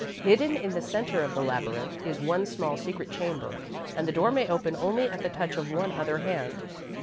Hidden in the centre of the labyrinth is one small secret chamber, and the door may open only at the touch of one other hand.